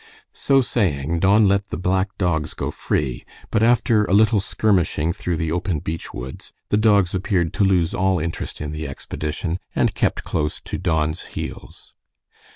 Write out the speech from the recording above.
So saying, Don let the black dogs go free, but after a little skirmishing through the open beech woods, the dogs appeared to lose all interest in the expedition, and kept close to Don's heels.